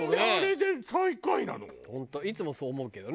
本当いつもそう思うけどね。